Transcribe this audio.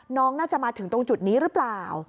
น้องน่าจะมาถึงตรงจุดนี้หรือเปล่า